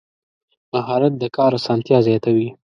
مهارت د کار اسانتیا زیاتوي.